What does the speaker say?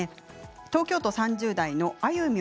東京都３０代の方です。